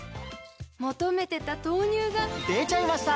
求めてた豆乳がでちゃいました！